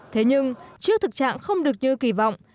thế nhưng trước thực trạng không được như kỳ vọng